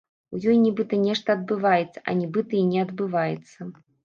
У ёй нібыта нешта адбываецца, а нібыта і не адбываецца.